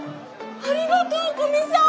ありがとう古見さん！